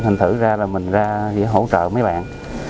thành thử ra là mình ra để hỗ trợ mấy bạn